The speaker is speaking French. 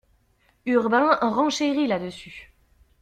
Urbain renchérit là-dessus.